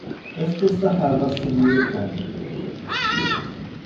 Efk-as taḥeṛṛast-nni i Ṭom.